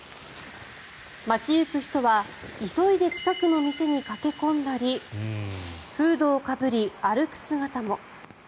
街行く人は急いで近くの店に駆け込んだりフードをかぶり歩く姿も。